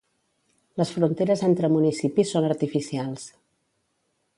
Les fronteres entre municipis són artificials.